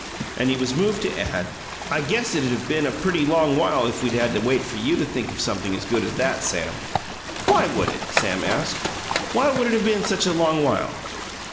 And he was moved to add, "I guess it'd of been a pretty long while if we'd had to wait for you to think of something as good as that, Sam." "Why would it?" Sam asked. "Why would it of been such a long while?"